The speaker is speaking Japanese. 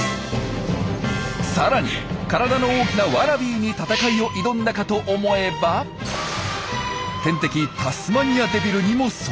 さらに体の大きなワラビーに戦いを挑んだかと思えば天敵タスマニアデビルにも遭遇。